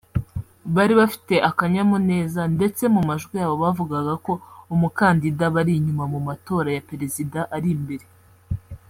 bari bafite akanyamuneza ndetse mu majwi yabo bavugaga ko umukandida bari inyuma mu matora ya perezida ari imbere